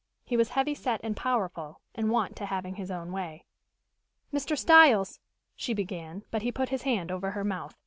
He was heavy set and powerful, and wont to having his own way. "Mr. Styles " she began, but he put his hand over her mouth.